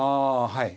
はい。